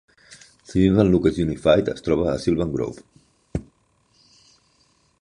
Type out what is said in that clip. Sylvan-Lucas Unified es troba a Sylvan Grove.